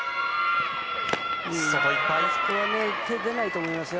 あそこは手が出ないと思いますよ